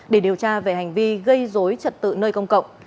để điều tra về hành vi gây dối trật tự nơi công cộng